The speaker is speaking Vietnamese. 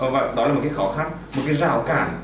và đó là một cái khó khăn một cái rào cản